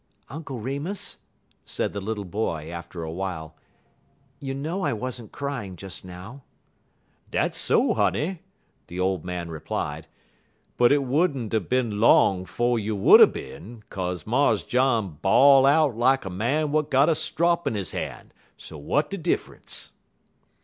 "Uncle Remus," said the little boy, after a while, "you know I wasn't crying just now." "Dat's so, honey," the old man replied, "but 't would n't er bin long 'fo' you would er bin, kaze Mars John bawl out lak a man w'at got a strop in he han', so w'at de diff'unce?"